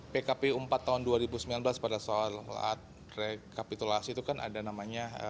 pkp empat tahun dua ribu sembilan belas pada saat rekapitulasi itu kan ada nama nama